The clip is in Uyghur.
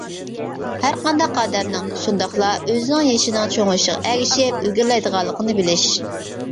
ھەر قانداق ئادەمنىڭ (شۇنداقلا ئۆزىنىڭ) يېشىنىڭ چوڭىيىشىغا ئەگىشىپ ئىلگىرىلەيدىغانلىقىنى بىلىش.